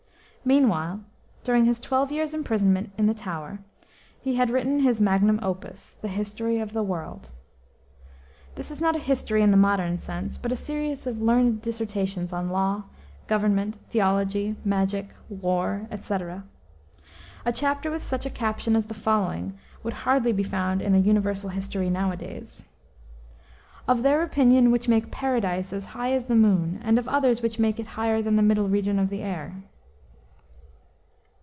Meanwhile, during his twelve years' imprisonment in the Tower, he had written his magnum opus, the History of the World. This is not a history, in the modern sense, but a series of learned dissertations on law, government, theology, magic, war, etc. A chapter with such a caption as the following would hardly be found in a universal history nowadays: "Of their opinion which make Paradise as high as the moon; and of others which make it higher than the middle region of the air."